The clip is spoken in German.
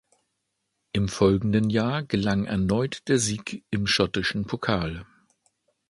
Im folgenden Jahr gelang erneut der Sieg im schottischen Pokal.